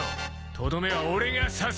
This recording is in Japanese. とどめは俺が刺す。